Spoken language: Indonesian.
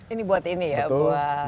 ini buat ini ya